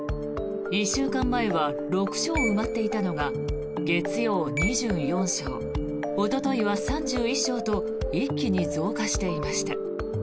１週間前は６床埋まっていたのが月曜、２４床おとといは３１床と一気に増加していきました。